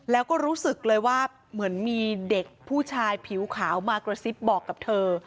แล้วก็รู้สึกเลยว่าเหมือนมีเด็กผู้ชายผิวขาวมากระซิบบอกกับเธอ